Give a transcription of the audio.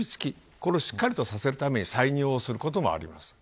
これをしっかりとするために採尿することもあります。